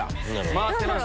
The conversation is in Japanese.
回ってます